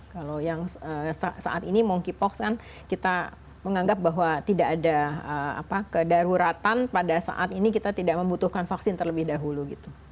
kalau yang saat ini monkeypox kan kita menganggap bahwa tidak ada kedaruratan pada saat ini kita tidak membutuhkan vaksin terlebih dahulu